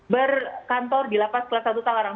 berkantor di lapas kelas satu tangerang